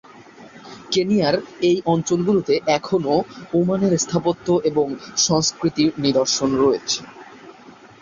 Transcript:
কেনিয়ার সেই অঞ্চলগুলোতে এখনও ওমানের স্থাপত্য এবং সংস্কৃতির নিদর্শন রয়েছে।